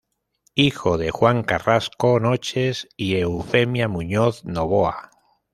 Hijo de Juan Carrasco Noches y Eufemia Muñoz Novoa.